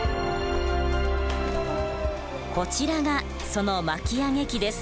こちらがその巻き上げ機です。